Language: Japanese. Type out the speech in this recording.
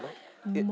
えっ？